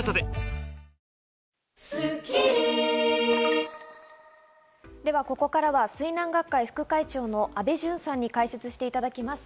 観光船「ＫＡＺＵ１」がでは、ここからは水難学会副会長の安倍淳さんに解説していただきます。